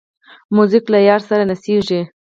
موزیک له یار سره نڅېږي.